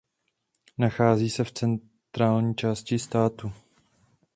Nachází se v centrální části státu.